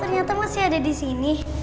ternyata masih ada di sini